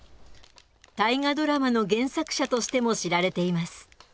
「大河ドラマ」の原作者としても知られています。